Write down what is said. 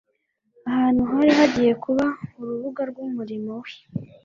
ahantu hari hagiye kuba urubuga rw’umurimo we